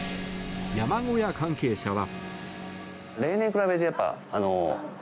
山小屋関係者は。